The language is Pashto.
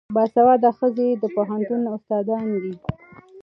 باسواده ښځې د پوهنتون استادانې دي.